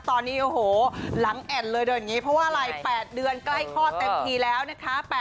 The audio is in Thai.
ตอนนี้โอ้โหหลังแอ่นเลยเดินอย่างนี้เพราะว่าอะไร๘เดือนใกล้คลอดเต็มทีแล้วนะคะ